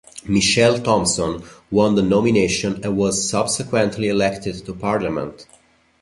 Michelle Thomson won the nomination and was subsequently elected to parliament.